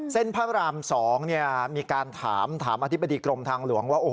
เส้นพระรามสองเนี่ยมีการถามอธิบดีกรมทางหลวงว่า